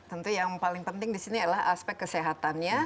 tentu yang paling penting di sini adalah aspek kesehatannya